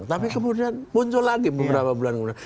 tapi kemudian muncul lagi beberapa bulan kemudian